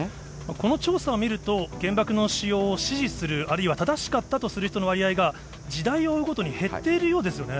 この調査を見ると、原爆の使用を支持する、あるいは、正しかったとする人の割合が、時代を追うごとに減っているようですよね。